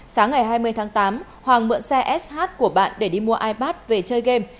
sáng ngày hai mươi tháng tám hoàng mượn xe sh của bạn để đi mua ipad về chơi game